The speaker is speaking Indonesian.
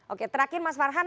oke terakhir mas farhan